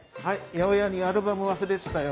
八百屋にアルバム忘れてたよ。